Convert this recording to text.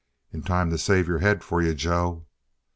"In time to save your head for you, Joe."